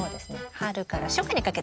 春から初夏にかけてか。